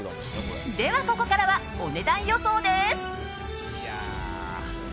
では、ここからはお値段予想です。